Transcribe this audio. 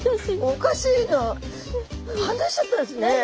おかしいな離しちゃったんですね。